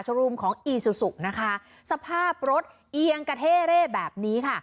โชรูมของอิซูสุสภาพรถอีอางคเทเรแบบนี้